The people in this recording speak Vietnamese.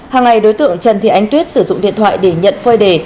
hàng ngày đối tượng trần thị ánh tuyết sử dụng điện thoại để nhận phơi đề